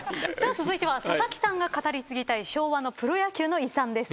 続いては佐々木さんが語り継ぎたい昭和のプロ野球の遺産です。